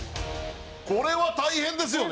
これは大変ですよね。